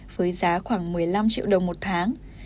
với giá khoảng một mươi năm triệu đồng một tháng